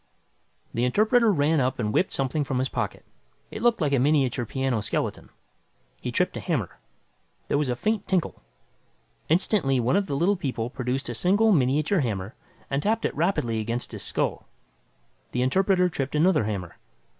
The interpreter ran up and whipped something from his pocket. It looked like a miniature piano skeleton. He tripped a hammer. There was a faint tinkle. Instantly one of the Little People produced a single miniature hammer and tapped it rapidly against his skull. The interpreter tripped another hammer.